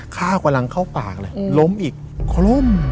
ฆ่ากำลังเข้าปากเลยล้มอีกคล่ม